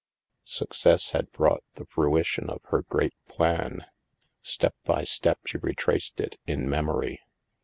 Success had brought the fruition of her great plan. Step by step, she retraced it in memory.